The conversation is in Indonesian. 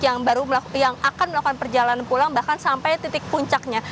yang akan melakukan perjalanan pulang bahkan sampai titik puncaknya